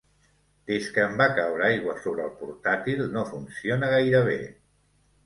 Des que em va caure aigua sobre el portàtil no funciona gaire bé.